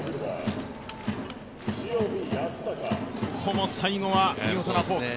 ここも最後は見事なフォーク。